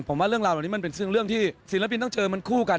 ผมว่าเรื่องราวเหล่านี้มันเป็นเรื่องที่ศิลปินต้องเจอมันคู่กัน